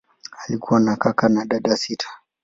Alikuwa na kaka na dada sita.